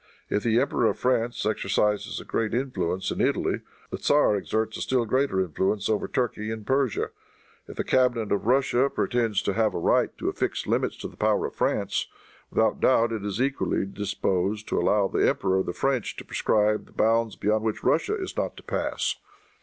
If the Emperor of France exercises a great influence in Italy, the tzar exerts a still greater influence over Turkey and Persia. If the cabinet of Russia pretends to have a right to affix limits to the power of France, without doubt it is equally disposed to allow the Emperor of the French to prescribe the bounds beyond which Russia is not to pass.